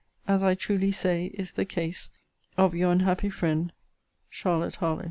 As I truly say is the case of Your unhappy friend, CHARLOTTE HARLOWE.